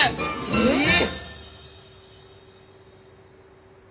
えっ！